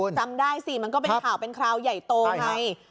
อุ้ยจำได้สิมันก็เป็นข่าวเป็นข่าวใหญ่โตใหม่ใช่ฮะ